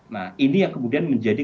nah ini yang kemudian menjadi